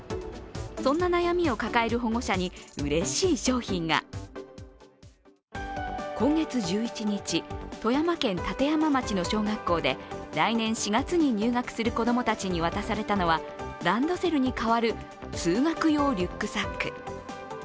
そんな悩みを抱える保護者にうれしい商品が今月１１日、富山県立山町の小学校で来年４月に入学する子供たちに渡されたのはランドセルに代わる通学用リュックサック。